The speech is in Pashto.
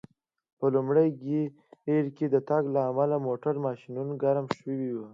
په لومړي ګېر کې د تګ له امله د موټرو ماشینونه ګرم شوي و.